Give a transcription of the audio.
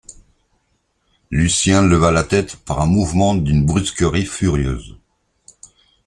Lucien leva la tête par un mouvement d’une brusquerie furieuse.